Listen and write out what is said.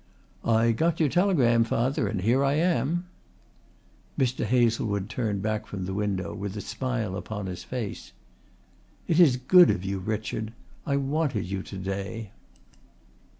"I got your telegram, father, and here I am." Mr. Hazlewood turned back from the window with a smile upon his face. "It is good of you, Richard. I wanted you to day."